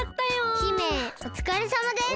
姫おつかれさまです。